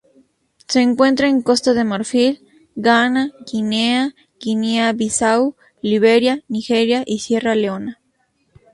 Se encuentra en Costa de Marfil, Ghana, Guinea, Guinea-Bissau, Liberia, Nigeria y Sierra Leona.